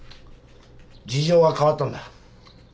事情が変わったんだ。